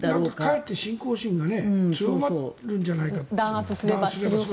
かえって信仰心が強まるんじゃないかと。